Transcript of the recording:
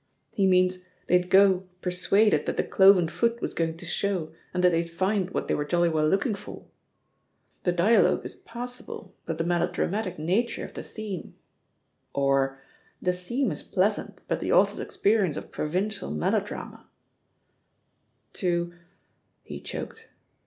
He means they'd go persuaded that the cloven foot was going to show and that they'd find what they were jolly well looking for. *The dialogue is passable, but the melodramatic nature of the' theme * or *The theme is pleasant, but the author's experience of provincial melo drama ' To " He choked.